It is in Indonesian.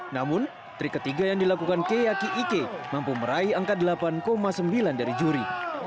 namun trik ketiga yang dilakukan keyaki ike mampu meraih angka delapan sembilan dari juri